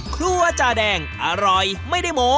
ครัวจาแดงอร่อยไม่ได้โม้